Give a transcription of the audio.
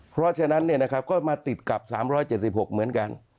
เพราะฉะนั้นเนี่ยนะครับก็มาติดกับ๓๗๖เหมือนกัน